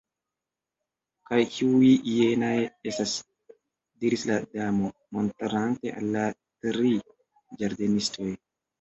"Kaj kiuj jenaj estas?" diris la Damo, montrante al la tri ĝardenistoj.